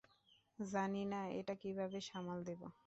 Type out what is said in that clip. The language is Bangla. জানি না এটা কীভাবে সামাল দেবো।